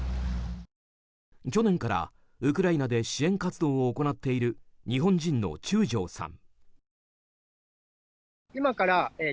去年からウクライナで支援活動を行っている日本人の中條さん。